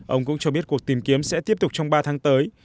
ông cũng cho biết cuộc tìm kiếm sẽ tiếp tục trong ba tháng tới